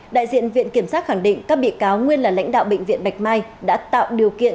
đại diện viện kiểm sát khẳng định các bị cáo nguyên là lãnh đạo bệnh viện bạch mai đã tạo điều kiện